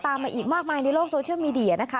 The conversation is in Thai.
มาอีกมากมายในโลกโซเชียลมีเดียนะคะ